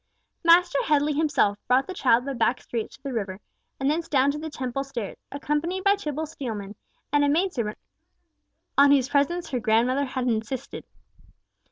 Master Headley himself brought the child by back streets to the river, and thence down to the Temple stairs, accompanied by Tibble Steelman, and a maid servant on whose presence her grandmother had insisted.